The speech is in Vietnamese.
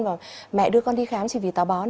vâng mẹ đưa con đi khám chỉ vì tàu bón